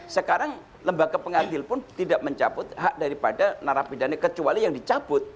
sekarang lembaga pengadil pun tidak mencabut hak daripada narapidana kecuali yang dicabut